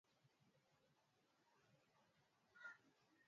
kwako mhesimiwa huku hatuna neno swala hilo la nidhamu